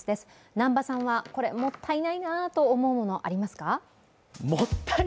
南波さんは、これもったいないなと思うものありますか？